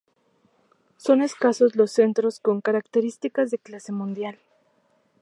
Son escasos los centros con características de clase mundial.